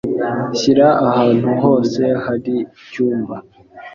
Shyira ahantu hose hari icyumba.